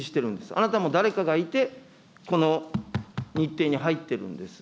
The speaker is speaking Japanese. あなたも誰かがいて、この日程に入っているんです。